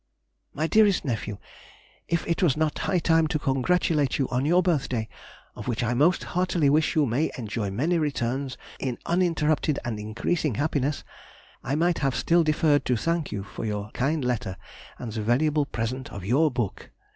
_ MY DEAREST NEPHEW,— If it was not high time to congratulate you on your birthday—of which I most heartily wish you may enjoy many returns in uninterrupted and increasing happiness—I might have still deferred to thank you for your kind letter and the valuable present of your book.